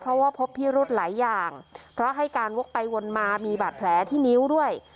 เพราะว่าพบพิรุธหลายอย่างเพราะให้การวกไปวนมามีบาดแผลที่นิ้วด้วย